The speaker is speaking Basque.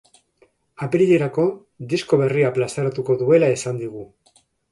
Apirilerako disko berria plazaratuko duela esan digu.